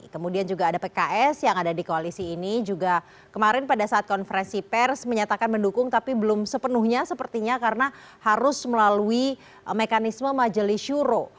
kemudian juga ada pks yang ada di koalisi ini juga kemarin pada saat konferensi pers menyatakan mendukung tapi belum sepenuhnya sepertinya karena harus melalui mekanisme majelis syuro